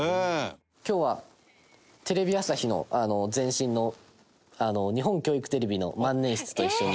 今日はテレビ朝日の前身の日本教育テレビの万年筆と一緒に。